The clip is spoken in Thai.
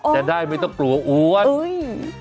จะได้ไม่ต้องกลัวอ้วนเฮ้ย